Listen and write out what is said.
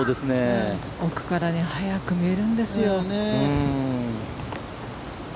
奥から速く見えるんですよ。